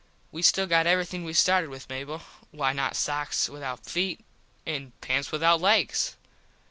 We still got everything we started with Mable. Why not sox without feet and pants without legs.